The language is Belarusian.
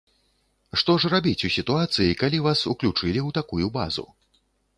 Што ж рабіць у сітуацыі, калі вас уключылі ў такую базу?